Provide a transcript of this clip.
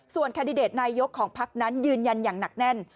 แคนดิเดตนายกของพักนั้นยืนยันอย่างหนักแน่น